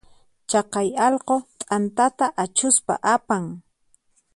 Chaqay allqu t'antata achuspa apan.